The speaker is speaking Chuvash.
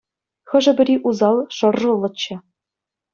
Хӑшӗ-пӗри усал шӑршӑллӑччӗ.